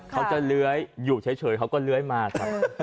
เค้าจะเล้ยอยู่เฉยเค้าก็เล้ยมาก